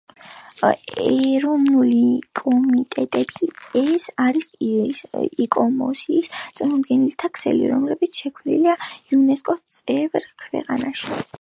ეროვნული კომიტეტები ეს არის იკომოსის წარმომადგენელთა ქსელი, რომლებიც შექმნილია იუნესკოს წევრ ქვეყნებში.